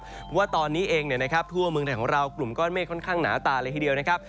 เพราะว่าตอนนี้เองทั่วเมืองไทยของเรากลุ่มก้อนเมฆค่อนข้างหนาตาเลยทีเดียวนะครับ